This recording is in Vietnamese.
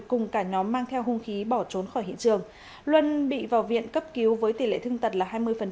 cùng cả nhóm mang theo hung khí bỏ trốn khỏi hiện trường luân bị vào viện cấp cứu với tỷ lệ thương tật là hai mươi